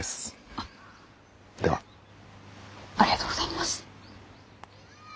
ありがとうございます。